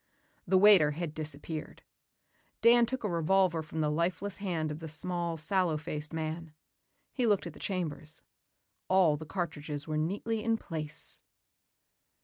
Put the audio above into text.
The waiter had disappeared. Dan took a revolver from the lifeless hand of the small, sallow faced man. He looked at the chambers. All the cartridges were neatly in place.